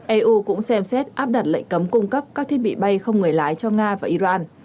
eu cũng xem xét áp đặt lệnh cấm cung cấp các thiết bị bay không người lái cho nga và iran